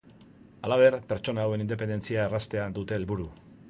Halaber, pertsona hauen independentzia erraztea dute helburu.